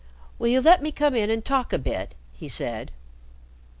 "Will you let me come in and talk a bit?" he said.